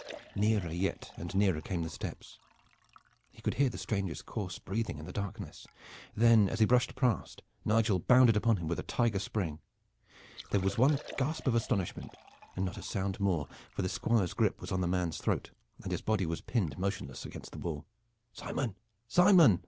Nearer yet and nearer came the steps. He could hear the stranger's coarse breathing in the darkness. Then as he brushed past Nigel bounded upon him with a tiger spring. There was one gasp of astonishment, and not a sound more, for the Squire's grip was on the man's throat and his body was pinned motionless against the wall. "Simon! Simon!"